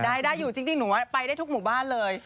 ได้อยู่จริงหนูว่าไปได้ทุกหมู่บ้านเลย